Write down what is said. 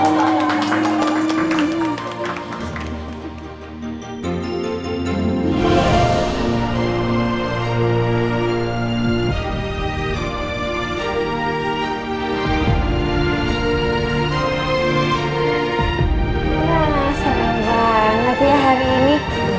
wah senang banget ya hari ini